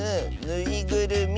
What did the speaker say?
「ぬいぐるみ」。